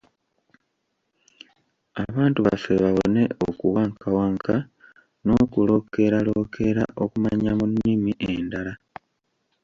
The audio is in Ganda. Abantu baffe bawone okuwankawanka n’okulookeralookera okumanya mu nnimi endala.